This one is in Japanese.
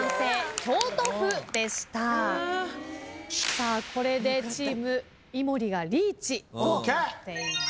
さあこれでチーム井森がリーチとなっています。